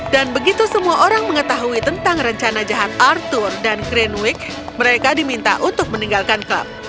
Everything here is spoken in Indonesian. dan begitu semua orang mengetahui tentang rencana jahat arthur dan cranewick mereka diminta untuk meninggalkan klub